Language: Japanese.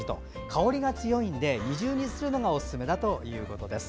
香りが強いので二重にするのがおすすめだということです。